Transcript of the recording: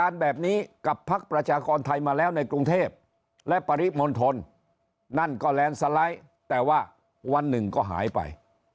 นั่นก็แลนด์สไลด์แต่ว่าวันหนึ่งก็หายไป